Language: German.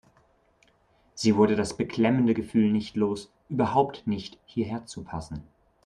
Sie wurde das beklemmende Gefühl nicht los, überhaupt nicht hierher zu passen.